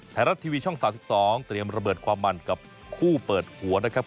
ไทยรัฐทีวีช่อง๓๒เตรียมระเบิดความมันกับคู่เปิดหัวนะครับ